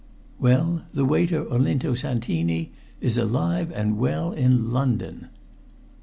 "Well, the waiter Olinto Santini is alive and well in London."